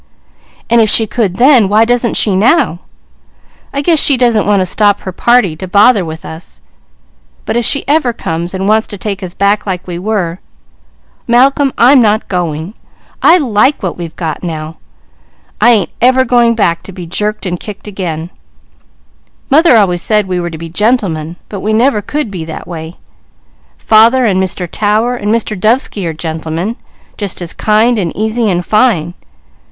And if she could then, why doesn't she now? I guess he doesn't want to stop her party to bother with us; but if she ever conies and wants to take us back like we were, Malcolm, I'm not going. I like what we got now. Mother always said we were to be gentlemen; but we never could be that way. Father and Mr. Tower and Mr. Dovesky are gentlemen, just as kind, and easy, and fine.